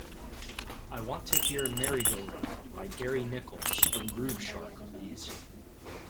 I want to hear Merry Go Round by Gary Nichols from Groove Shark please.